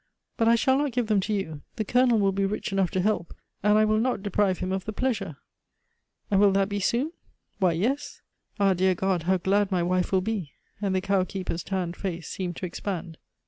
But I shall not give them to you; the Colonel will be rich enough to help, and I will not deprive him of the pleasure." "And will that be soon?" "Why, yes." "Ah, dear God! how glad my wife will be!" and the cowkeeper's tanned face seemed to expand.